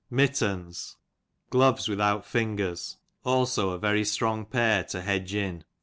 Mitch, much. Mittens, gloves without fingers^ also a very strong pair to hedge in.